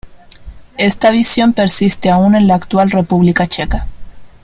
Esta visión persiste aún en la actual República Checa.